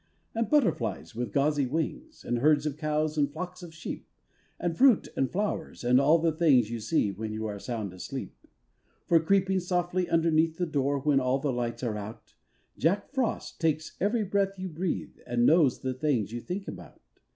And butterflies with gauzy wings; And herds of cows and flocks of sheep; And fruit and flowers and all the things You see when you are sound asleep. For creeping softly underneath The door when all the lights are out, Jack Frost takes every breath you breathe And knows the things you think about.